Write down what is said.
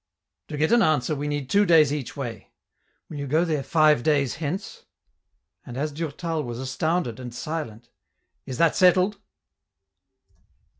To get an answer, we need two days each way ; will you go there five days hence ?" And, as Durtal was astounded and silent, " Is that settled